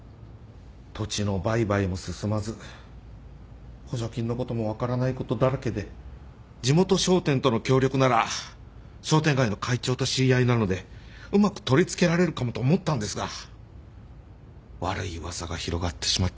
土地の売買も進まず補助金のことも分からないことだらけで地元商店との協力なら商店街の会長と知り合いなのでうまく取りつけられるかもと思ったんですが悪い噂が広がってしまっていて。